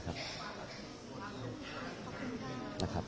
นะครับขอบคุณครับ